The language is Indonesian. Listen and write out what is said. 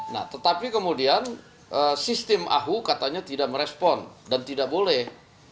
nah tetapi kemudian sistem ahu katanya tidak merespon dan tidak boleh